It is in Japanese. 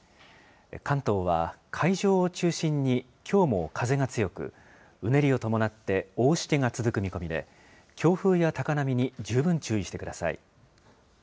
関東は海上を中心にきょうも風が強く、うねりを伴って大しけが続く見込みで、強風や高波に十分注意してください。